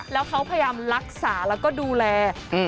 แล้วเขาพยายามรักษาแล้วก็ดูแล